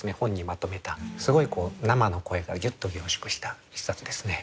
まとめたすごい生の声がギュッと凝縮した一冊ですね。